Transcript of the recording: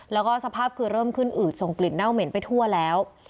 แล้วก็สภาพคือเริ่มขึ้นอืดส่งกลิ่นเน่าเหม็นไปทั่วแล้ว